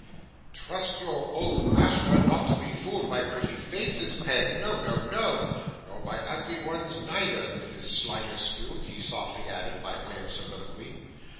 'Trust your old master not to be fooled by pretty faces, Peg; no, no, no nor by ugly ones neither, Mrs Sliderskew,' he softly added by way of soliloquy.